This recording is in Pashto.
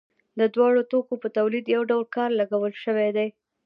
د دواړو توکو په تولید یو ډول کار لګول شوی دی